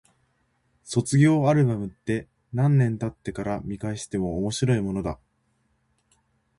卒業アルバムって、何年経ってから見返しても面白いものだ。